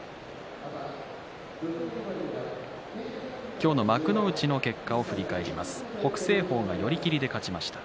今日の幕内の結果を振り返ります。